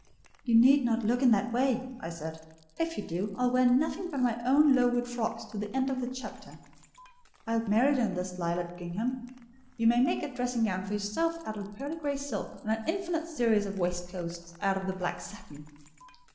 "You need not look in that way," I said; "if you do, I'll wear nothing but my old Lowood frocks to the end of the chapter. I'll be married in this lilac gingham: you may make a dressing gown for yourself out of the pearl grey silk, and an infinite series of waistcoats out of the black satin."